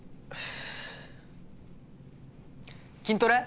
筋トレ？